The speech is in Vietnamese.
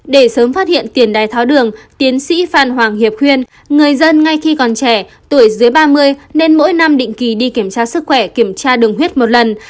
để sớm phát hiện tiền đái tháo đường tiến sĩ phan hoàng hiệp khuyên người dân ngay khi còn trẻ tuổi dưới ba mươi nên mỗi năm định kỳ đi kiểm tra sức khỏe kiểm tra đường huyết một lần